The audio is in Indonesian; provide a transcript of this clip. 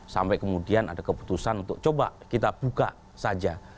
sampai kemudian ada keputusan untuk coba kita buka saja